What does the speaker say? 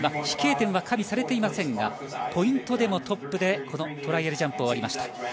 飛型点は加味されていませんがポイントでもトップでトライアルジャンプ終わりました。